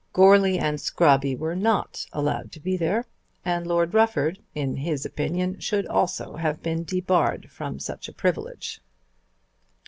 Goarly and Scrobby were not allowed to be there, and Lord Rufford, in his opinion, should also have been debarred from such a privilege.